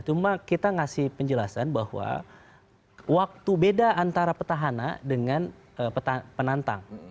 cuma kita ngasih penjelasan bahwa waktu beda antara petahana dengan penantang